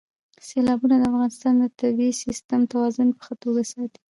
سیلابونه د افغانستان د طبعي سیسټم توازن په ښه توګه ساتي.